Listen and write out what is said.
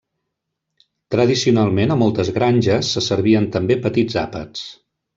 Tradicionalment a moltes granges se servien també petits àpats.